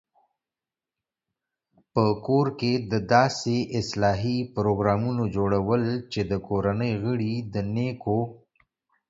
په کور کې د داسې اصلاحي پروګرامونو جوړول چې د کورنۍ غړي د نېکو